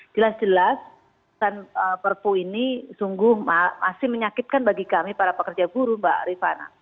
jelas jelas perpu ini sungguh masih menyakitkan bagi kami para pekerja buruh mbak rifana